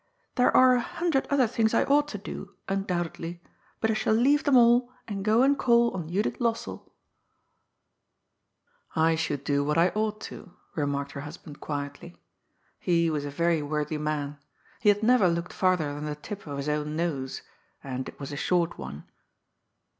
*' There are a hundred other things I ought to do, undoubtedly, but I shall leave them alljand go and call on Judith Lossell." 62 GOD'S FOOL. I should do what I ought to,*' remarked her husband quietly. He was a very worthy man. He had never looked far ther than the tip of his own nose ; and it was a short one.